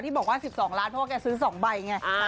บอกว่า๑๒ล้านเพราะว่าแกซื้อ๒ใบไง